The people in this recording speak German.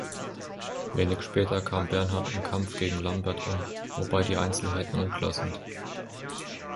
Wenig später kam Bernhard im Kampf gegen Lambert um, wobei die Einzelheiten unklar sind.